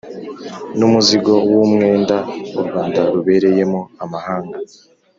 n'umuzigo w'umwenda u rwanda rubereyemo amahanga